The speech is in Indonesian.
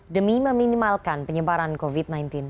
demi meminimalkan penyebaran covid sembilan belas